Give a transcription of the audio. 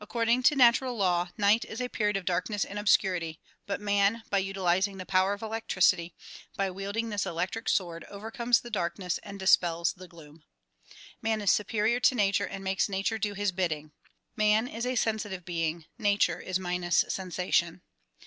According to natural law, night is a period of darkness and obscurity, but man by utilizing the power of electricity, by wielding this electric sword overcomes the dark ness and dispels the gloom. j\Ian is superior to nature and makes nature do his bidding. Man is a sensitive being; nature is minus sensation.